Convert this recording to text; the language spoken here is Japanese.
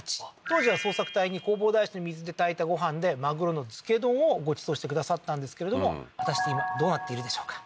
当時は捜索隊に弘法大師の水で炊いたご飯でマグロの漬け丼をご馳走してくださったんですけれども果たして今どうなっているでしょうか？